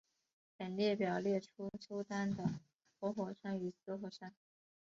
本列表列出苏丹的活火山与死火山。